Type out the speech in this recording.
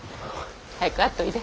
早く会っといで。